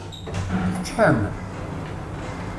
Teččḥem?